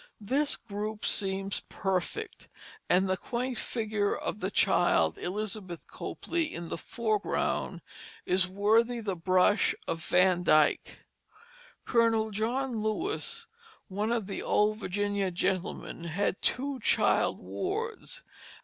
This group seems perfect, and the quaint figure of the child Elizabeth Copley, in the foreground, is worthy the brush of Van Dyck. Colonel John Lewis, one of the old Virginia gentlemen, had two child wards.